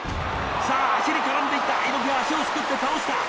さあ足に絡んでいった猪木が足をすくって倒した！